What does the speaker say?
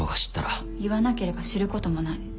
言わなければ知ることもない